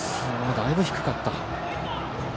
だいぶ低かった。